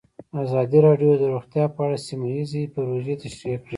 ازادي راډیو د روغتیا په اړه سیمه ییزې پروژې تشریح کړې.